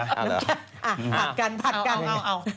อ่าผัดกันผัดกัน